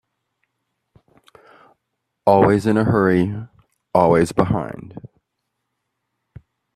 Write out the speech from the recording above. Always in a hurry, always behind.